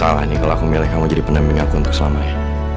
gak salah nih kalo aku milih kamu jadi pendemik aku untuk selamanya